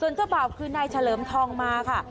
ส่วนเธอบ่าวคือนายเฉลิมทองมาค่ะ